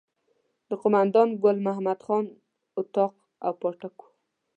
د قوماندان ګل محمد خان اطاق او پاټک وو.